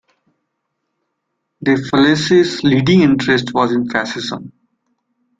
De Felice's leading interest was in Fascism.